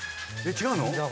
違うの？